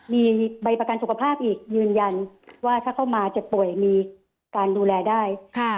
มีใบประกันสุขภาพอีกยืนยันว่าถ้าเข้ามาเจ็บป่วยมีการดูแลได้